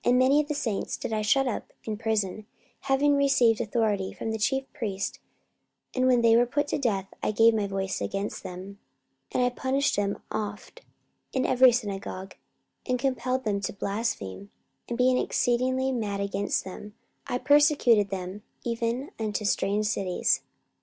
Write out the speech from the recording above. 44:026:010 Which thing I also did in Jerusalem: and many of the saints did I shut up in prison, having received authority from the chief priests; and when they were put to death, I gave my voice against them. 44:026:011 And I punished them oft in every synagogue, and compelled them to blaspheme; and being exceedingly mad against them, I persecuted them even unto strange cities.